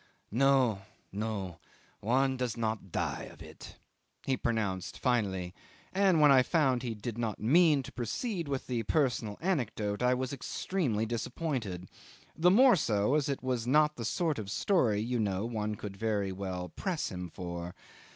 "No, no; one does not die of it," he pronounced finally, and when I found he did not mean to proceed with the personal anecdote, I was extremely disappointed; the more so as it was not the sort of story, you know, one could very well press him for.